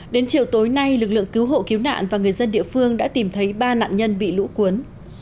đến chiều tối nay lực lượng cứu hộ cứu nạn và người dân địa phương đã tìm thấy ba nạn nhân bị lũ cuốn